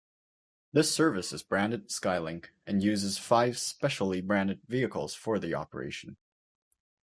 This service is branded 'Skylink' and uses five specially branded vehicles for the operation.